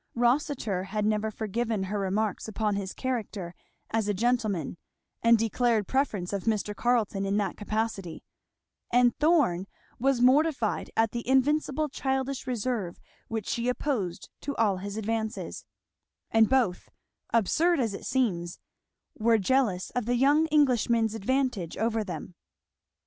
Rossitur had never forgiven her remarks upon his character as a gentleman and declared preference of Mr. Carleton in that capacity; and Thorn was mortified at the invincible childish reserve which she opposed to all his advances; and both, absurd as it seems, were jealous of the young Englishman's advantage over them.